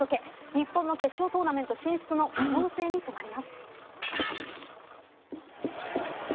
日本の決勝トーナメント進出の可能性に迫ります。